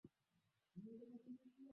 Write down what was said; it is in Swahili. Yote chini yakiisha.